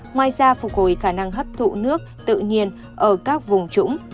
ngoài ra phục hồi khả năng hấp thụ nước tự nhiên ở các vùng trũng